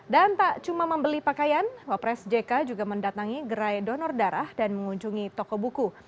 dan tak cuma membeli pakaian wapres jk juga mendatangi gerai donor darah dan mengunjungi toko buku